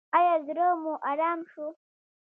ایا زړه مو ارام شو؟